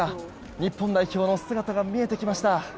日本代表の姿が見えてきました。